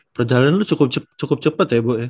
perjalanan lu cukup cepet ya bu ya